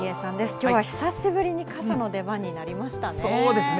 きょうは久しぶりに傘の出番になりましたね。